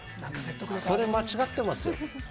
それ間違ってますよ。